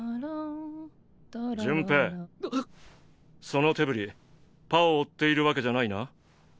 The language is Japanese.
その手振りパを追っているわけじゃないな？